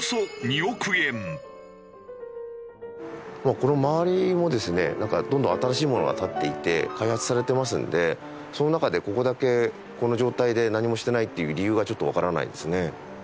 この周りもですねどんどん新しいものが建っていて開発されてますのでその中でここだけこの状態で何もしてないっていう理由がちょっとわからないですね。